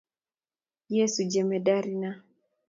Yesu jemedar na